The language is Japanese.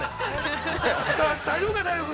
◆大丈夫か、大祐君。